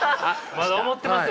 まだ思ってますよ